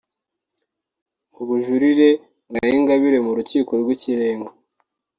Mu bujurire bwa Ingabire mu Rukiko rw’Ikirenga